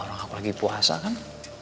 orang aku lagi puasa kan